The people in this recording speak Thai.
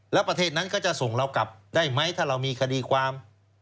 แล้วประเทศนั้นก็จะส่งเรากลับได้ไหมถ้าเรามีคดีความ